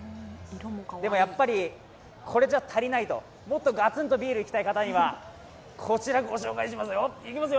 でも、やっぱりこれじゃ足りないともっとガツンとビールいきたい方には、こちらご紹介しますよ。